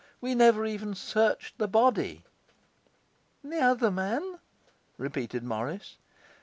We never even searched the body.' 'The other man?' repeated Morris.